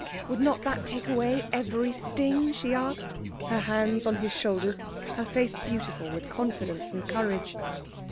Would not that take away every sting? she asked, her hands on his shoulders, her face beautiful with confidence and courage.